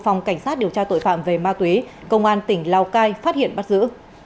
phòng cảnh sát điều tra tội phạm về ma túy công an tỉnh lào cai phát hiện bắt giữ